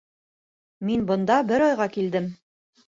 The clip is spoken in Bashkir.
Мин бында бер айға килдем.